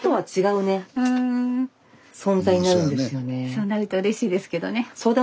そうなるとうれしいですけどね。